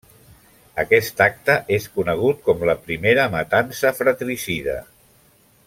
Aquest acte és conegut com la Primera Matança Fratricida.